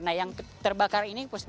nah yang terbakar ini